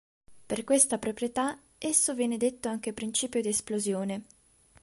Per questa proprietà, esso viene detto anche principio di esplosione.